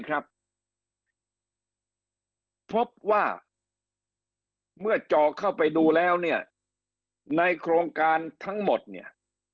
พบว่าเมื่อจอเข้าไปดูแล้วเนี่ยในโครงการทั้งหมดเนี่ย